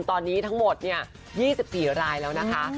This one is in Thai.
ตอนนี้ทั้งหมด๒๔รายแล้วนะคะ